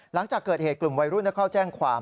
หลังจากเกิดเหตุกลุ่มวัยรุ่นเข้าแจ้งความ